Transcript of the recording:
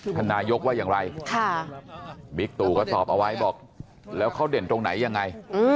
ท่านนายกว่าอย่างไรบิ๊กตู่ก็ตอบเอาไว้บอกแล้วเขาเด่นตรงไหนยังไง